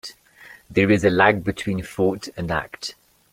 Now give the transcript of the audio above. There is a lag between thought and act.